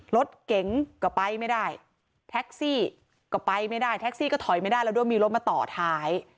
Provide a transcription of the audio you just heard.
รถเก๋งก็ไปไม่ได้แท็กซี่ก็ไปไม่ได้แท็กซี่ก็ถอยไม่ได้แล้วด้วยมีรถมาต่อท้าย